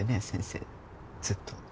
先生ずっと。